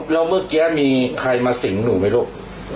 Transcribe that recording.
แล้วเมื่อกี้มีใครมาสิงหนูไหมลูก